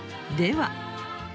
では